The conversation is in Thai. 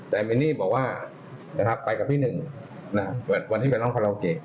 แต่มินนี่บอกว่าไปกับพี่หนึ่งวันที่เป็นร้องคอรัวเกต